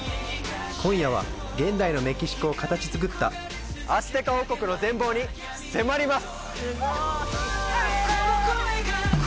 今夜は現代のメキシコを形づくったアステカ王国の全貌に迫ります！